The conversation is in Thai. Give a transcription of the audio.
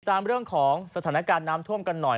เรื่องของสถานการณ์น้ำท่วมกันหน่อย